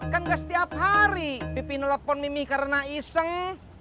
kan gak setiap hari pipi nelfon mimi karena iseng